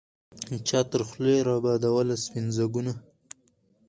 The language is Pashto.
چا تر خولې را بادوله سپین ځګونه